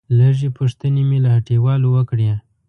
لږې پوښتنې مې له هټيوالو وکړې.